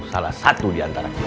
salah satu diantara kita